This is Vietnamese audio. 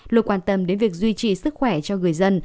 luôn quan tâm đến việc duy trì sức khỏe cho người dân